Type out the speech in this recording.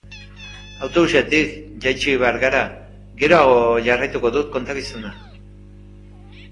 Autobusetik jaitsi behar gara, geroagoa jarraituko dut kontakizuna!